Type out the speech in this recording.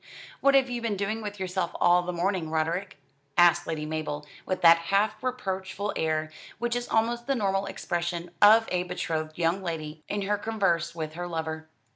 "What have you been doing with yourself all the morning, Roderick?" asked Lady Mabel, with that half reproachful air which is almost the normal expression of a betrothed young lady in her converse with her lover.